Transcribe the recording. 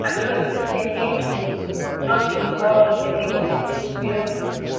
Actually, Sennett was not involved in the making of this film.